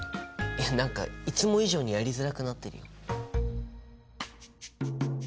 いや何かいつも以上にやりづらくなってるよ。